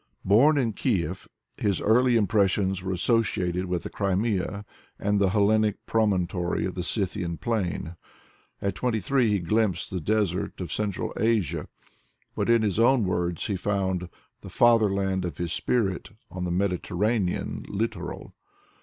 Born in Kief, his early impressions were associated with the Crimea, the Hellenic promontory of the Scythian plain. At twenty three he glimpsed the desert of central Asia. But in his own words he found '* the fatherland of his spirit '' on the Mediterranean littoral.